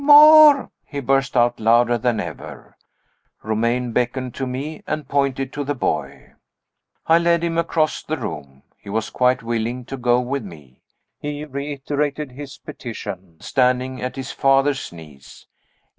"More!" he burst out louder than ever. Romayne beckoned to me, and pointed to the boy. I led him across the room. He was quite willing to go with me he reiterated his petition, standing at his father's knees.